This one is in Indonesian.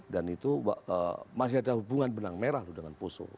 dan itu masih ada hubungan benang merah dengan pusu